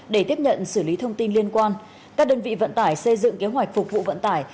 để tiếp nhận xử lý thông tin liên quan các đơn vị vận tải xây dựng kế hoạch phục vụ vận tải